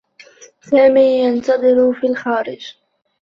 سامي ينتظر في الخارج.